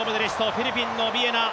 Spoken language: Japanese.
フィリピンのオビエナ。